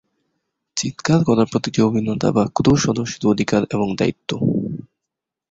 চিৎকার করা প্রতিটি অভিনেতা বা ক্রু সদস্যের অধিকার এবং দায়িত্ব।